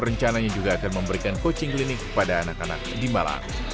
rencananya juga akan memberikan coaching klinik kepada anak anak di malang